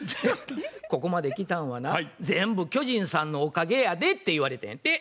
「ここまできたんはな全部巨人さんのおかげやで」って言われたんやて。